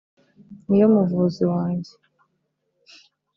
niyo muvuzi wanjye